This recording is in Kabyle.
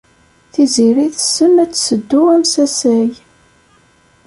Tiziri tessen ad tesseddu amsasay.